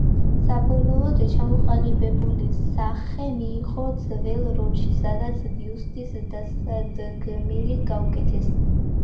საბოლოოდ ჩამოყალიბებული სახე მიიღო ძველ რომში, სადაც ბიუსტს დასადგმელი გაუკეთეს.